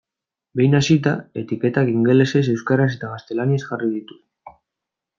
Behin hasita, etiketak ingelesez, euskaraz eta gaztelaniaz jarri ditut.